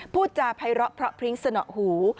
ผู้จาภัยเหรอเพราะพริ้งส์เสนอหู